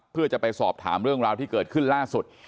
เพื่อจะไปสอบถามเรื่องราวที่เกิดขึ้นล่าสุด